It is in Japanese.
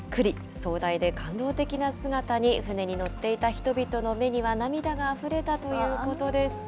壮大で感動的な姿に、船に乗っていた人々の目には涙があふれたということです。